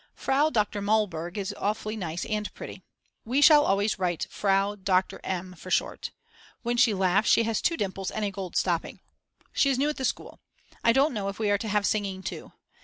Frau Dr. Mallburg is awfully nice and pretty. We shall always write Frau Dr. M. for short. When she laughs she has two dimples and a gold stopping. She is new at the school. I don't know if we are to have singing too.